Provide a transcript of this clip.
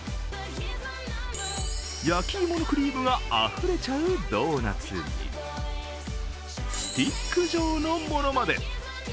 焼き芋のクリームがあふれちゃうドーナツにスティック状のものまで。